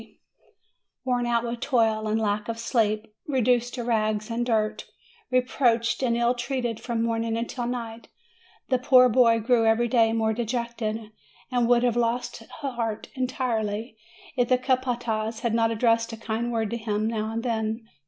280 MAY Worn out with toil and lack of sleep, reduced to rags and dirt, reproached and ill treated from morn ing till night, the poor boy grew every day more de jected, and would have lost heart entirely if the capataz had not addressed a kind word to him now and then.